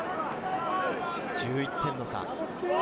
１０点の差。